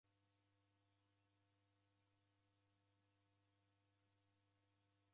Mabonyo ghamu gha w'aisanga ghaw'ianona ndoe.